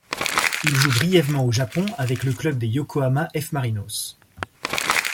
Il joue brièvement au Japon avec le club des Yokohama F·Marinos.